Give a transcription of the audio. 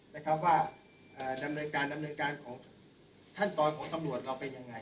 นะครับว่าดำเนินการดำเนินการของขั้นตอนของตำรวจเราเป็นยังไง